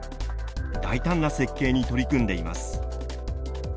大胆な設計に取り組んでいます。